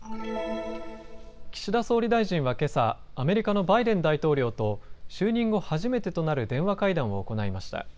岸田総理大臣はけさ、アメリカのバイデン大統領と就任後初めてとなる電話会談を行いました。